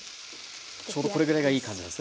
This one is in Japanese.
ちょうどこれぐらいがいい感じなんですね。